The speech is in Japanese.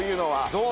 どう？